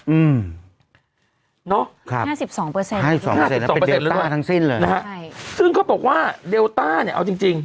อืมครับ๕๒เป็นเดลต้าทั้งสิ้นเลยนะฮะซึ่งเขาบอกว่าเดลต้าเนี่ยเอาจริง